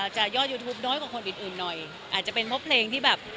ยอดยูทูปน้อยกว่าคนอื่นหน่อยอาจจะเป็นเพราะเพลงที่แบบ